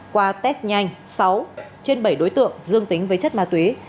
qua test nhanh sáu trên bảy đối tượng dương tính với chất ma túy